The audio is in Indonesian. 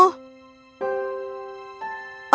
aku memilih ini untukmu